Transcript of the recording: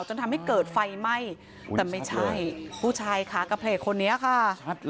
จนทำให้เกิดไฟไหม้แต่ไม่ใช่ผู้ชายขากระเพลกคนนี้ค่ะ